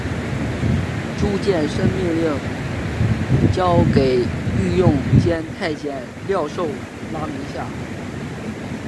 朱见深命令交给御用监太监廖寿拉名下。